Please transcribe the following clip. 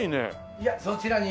いやそちらに。